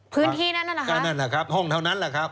พื้นที่นั้นนั่นแหละครับก็นั่นแหละครับห้องเท่านั้นแหละครับ